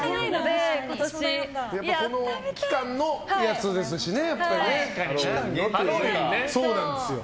この期間のやつですしね。